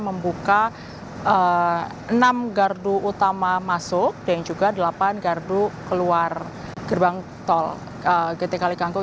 membuka enam gardu utama masuk dan juga delapan gardu keluar gerbang tol gt kali kangkung